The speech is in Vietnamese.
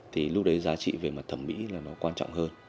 thì lúc đấy giá trị về mặt thẩm mỹ là nó quan trọng hơn